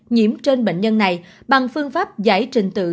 nhiễm trên bệnh nhân này bằng phương pháp giải trình tự